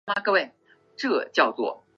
眼斑棘蛙为蛙科蛙属的两栖动物。